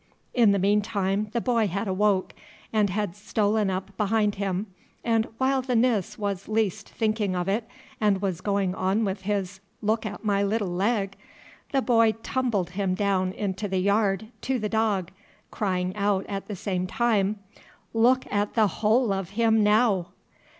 In the meantime the boy had awoke, and had stolen up behind him, and, while the Nis was least thinking of it, and was going on with his, "Look at my little leg," the boy tumbled him down into the yard to the dog, crying out at the same time "Look at the whole of him now!"